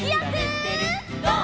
「ゴー！